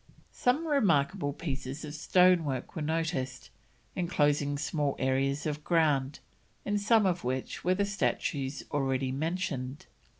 Some remarkable pieces of stonework were noticed, enclosing small areas of ground, in some of which were the statues already mentioned.